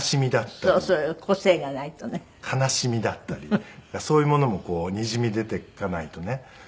悲しみだったりそういうものもにじみ出ていかないとね。